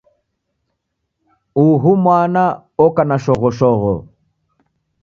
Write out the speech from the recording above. Uhu mwana oka na shoghoshogho.